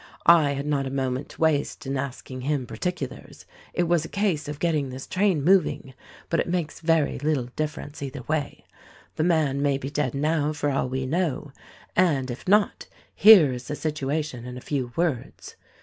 I had not a moment to waste in asking him par ticulars; it was a case of getting this train moving; but it makes very little difference either way — the man may be dead now for all we know, and if not, here is the situation in a few words."